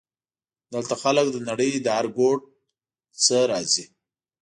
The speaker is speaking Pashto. دلته خلک د نړۍ له هر ګوټ نه راځي.